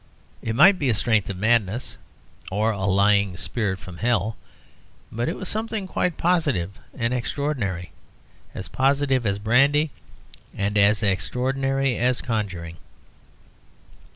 It might be a strength of madness, or a lying spirit from Hell; but it was something quite positive and extraordinary; as positive as brandy and as extraordinary as conjuring.